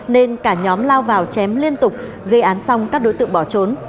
nên cả nhóm lao vào chém liên tục gây án xong các đối tượng bỏ trốn